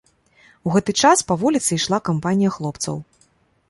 У гэты час па вуліцы ішла кампанія хлопцаў.